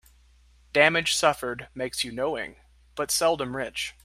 Damage suffered makes you knowing, but seldom rich.